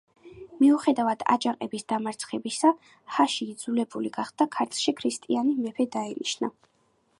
მიუხედავად აჯანყების დამარცხებისა, შაჰი იძულებული გახდა ქართლში ქრისტიანი მეფე დაენიშნა.